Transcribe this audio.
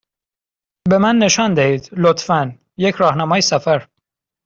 به من نشان دهید، لطفا، یک راهنمای سفر.